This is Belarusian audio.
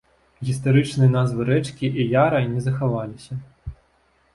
Гістарычныя назвы рэчкі і яра не захаваліся.